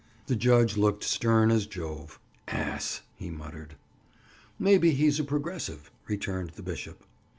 The judge looked stern as Jove. "Ass!" he muttered. "Maybe he's a progressive," returned the bishop.